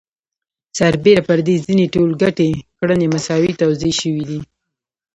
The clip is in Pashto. سربېره پر دې ځینې ټولګټې کړنې مساوي توزیع شوي دي